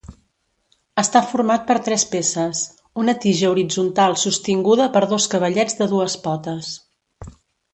Està format per tres peces: una tija horitzontal sostinguda per dos cavallets de dues potes.